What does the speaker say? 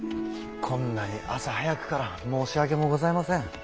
こんなに朝早くから申し訳もございません。